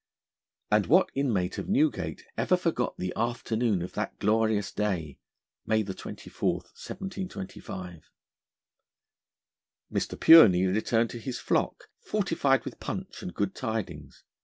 And what inmate of Newgate ever forgot the afternoon of that glorious day (May the 24th, 1725)? Mr. Pureney returned to his flock, fortified with punch and good tidings.